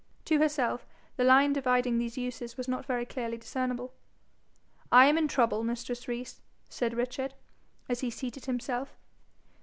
To herself, the line dividing these uses was not very clearly discernible. 'I am in trouble, mistress Rees,' said Richard, as he seated himself.